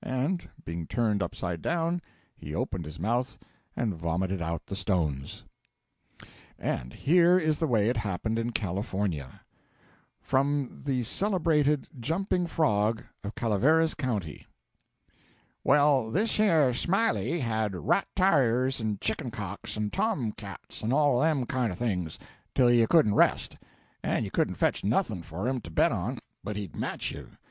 And being turned upside down, he opened his mouth and vomited out the stones. And here is the way it happened in California: FROM 'THE CELEBRATED JUMPING FROG OF CALAVERAS COUNTY' Well, thish yer Smiley had rat tarriers and chicken cocks, and tom cats, and all of them kind of things, till you couldn't rest, and you couldn't fetch nothing for him to bet on but he'd match you.